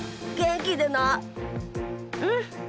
うん！